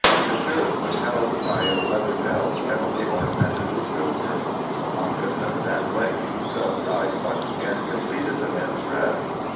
The shirt was held by a leather belt heavily ornamented with silver. Moccasins and leggings of dyed buckskin completed the men's dress.